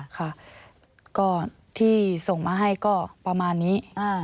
ค่ะก็ที่ส่งมาให้ก็ประมาณนี้